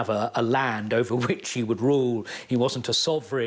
เขาไม่ใช่รับทราบของทั้งหมด